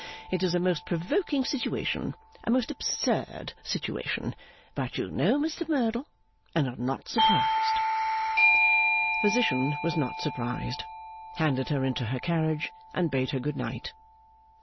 It is a most provoking situation, a most absurd situation; but you know Mr Merdle, and are not surprised.' Physician was not surprised, handed her into her carriage, and bade her Good Night.